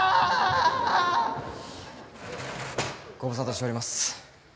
ご無沙汰しております。